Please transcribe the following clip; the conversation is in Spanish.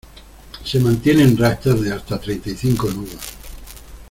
se mantiene en rachas de hasta treinta y cinco nudos.